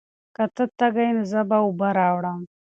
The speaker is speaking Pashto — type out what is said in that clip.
که ته تږی یې، نو زه به اوبه راوړم.